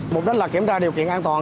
mục đích là kiểm tra điều kiện an toàn